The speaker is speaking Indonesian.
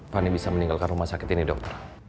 fani bisa meninggalkan rumah sakit ini dokter